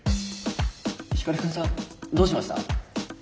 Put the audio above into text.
光くんさんどうしました？